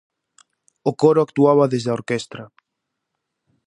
O coro actuaba desde a orquestra.